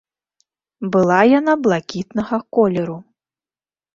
Была яна блакітнага колеру.